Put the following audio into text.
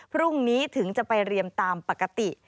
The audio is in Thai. พรุ่งนี้ถึงจะไปเรียนตามปกติ